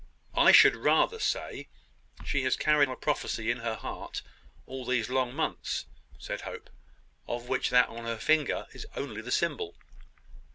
"I should rather say she has carried a prophecy in her heart all these long months," said Hope, "of which that on her finger is only the symbol."